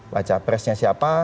baca presnya siapa